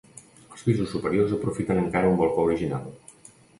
Els pisos superiors aprofiten encara un balcó original.